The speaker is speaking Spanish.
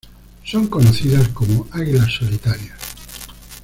Son conocidas como águilas solitarias.